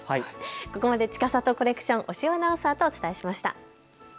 ここまでちかさとコレクション、押尾アナウンサーとお伝えしました。